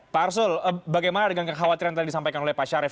pak arsul bagaimana dengan kekhawatiran yang tadi disampaikan oleh pak syarif